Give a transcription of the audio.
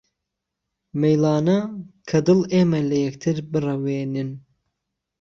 مهیڵانه که دڵ ئێمه له یهکتر بڕهوێنن